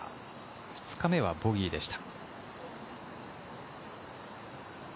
２日目はボギーでした。